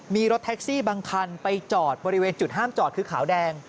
มีรถแท็กซี่บางคันไปจอดบริเวณจุดห้ามจอดคือขาวแดง